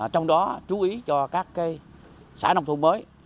trong đó chú ý cho các xã nông thôn mới